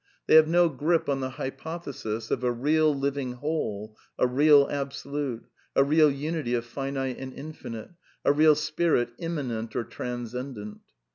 They have no grip on the hy pothesis of a real, living whole, a real Absolute, a real unity of finite and infinite, a real Spirit immanent or transcendent.